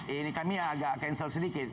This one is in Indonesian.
ini kami agak cancel sedikit